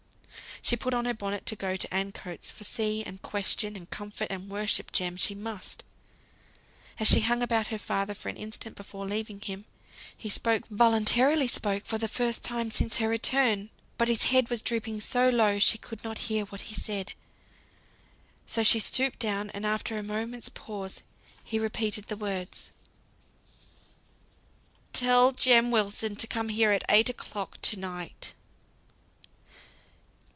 She put on her bonnet to go to Ancoats; for see, and question, and comfort, and worship Jem, she must. As she hung about her father for an instant before leaving him, he spoke voluntarily spoke for the first time since her return; but his head was drooping so low she could not hear what he said, so she stooped down; and after a moment's pause, he repeated the words, "Tell Jem Wilson to come here at eight o'clock to night."